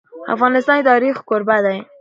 افغانستان د تاریخ کوربه دی.